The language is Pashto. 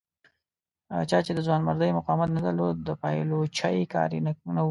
چا چې د ځوانمردۍ مقاومت نه درلود د پایلوچۍ کار یې نه و.